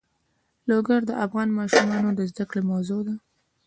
لوگر د افغان ماشومانو د زده کړې موضوع ده.